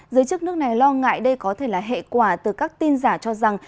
giới chức nước này lo ngại đây có thể là hệ quả từ các tin giả cho rằng